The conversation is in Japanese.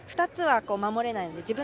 ２つは守れないんです。